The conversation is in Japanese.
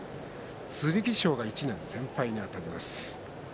剣翔の方が１年先輩にあたります。